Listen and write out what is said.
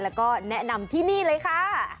แล้วก็แนะนำที่นี่เลยค่ะ